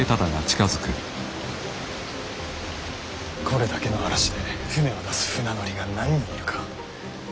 これだけの嵐で舟を出す船乗りが何人いるか。